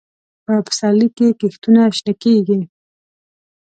په پسرلي کې کښتونه شنه کېږي.